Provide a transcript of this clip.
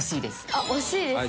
あっ惜しいですか。